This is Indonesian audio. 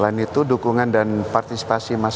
karena di antara biar rakyat parties smoothiesject